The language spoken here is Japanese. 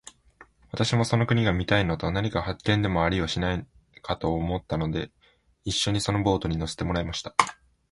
私もその国が見たいのと、何か発見でもありはしないかと思ったので、一しょにそのボートに乗せてもらいました。